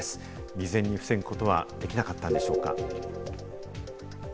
未然に防ぐことはできなかったのでしょうか？